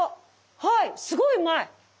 はいすごいうまい。